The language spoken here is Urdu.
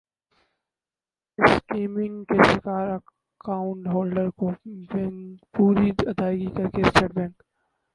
اسکمنگ کے شکار اکانٹ ہولڈرز کو بینک پوری ادائیگی کرے اسٹیٹ بینک